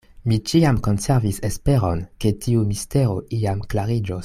Mi ĉiam konservis esperon, ke tiu mistero iam klariĝos.